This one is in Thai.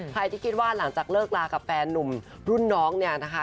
ใครที่คิดว่าหลังจากเลิกลากับแฟนนุ่มรุ่นน้องเนี่ยนะคะ